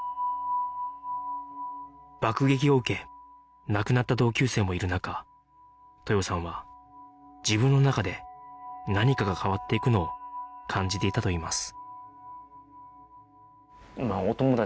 爆撃を受け亡くなった同級生もいる中豊さんは自分の中で何かが変わっていくのを感じていたといいます